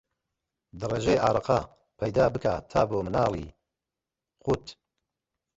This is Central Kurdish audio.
دەڕێژێ ئارەقە، پەیدا بکا تا بۆ مناڵی قووت